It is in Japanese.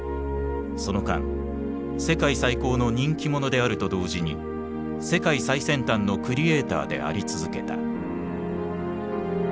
その間世界最高の人気者であると同時に世界最先端のクリエーターであり続けた。